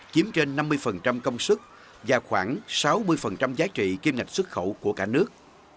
chiếm trên năm mươi công suất và khoảng sáu mươi giá trị kiêm ngạch xuất khẩu của cả nước